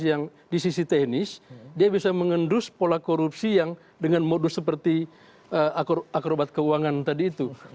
yang di sisi teknis dia bisa mengendus pola korupsi yang dengan modus seperti akrobat keuangan tadi itu